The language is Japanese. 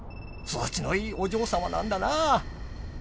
育ちのいいお嬢さまなんだな